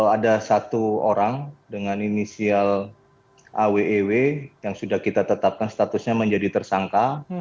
ada satu orang dengan inisial awew yang sudah kita tetapkan statusnya menjadi tersangka